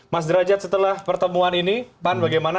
mas derajat setelah pertemuan ini pan bagaimana